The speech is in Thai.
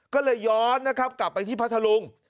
ก็เลยย้อนนะครับกลับไปที่พัทธลุง